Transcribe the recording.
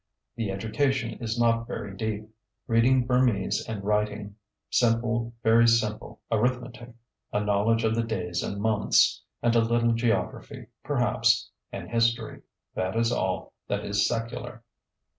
The education is not very deep reading Burmese and writing; simple, very simple, arithmetic; a knowledge of the days and months, and a little geography, perhaps, and history that is all that is secular.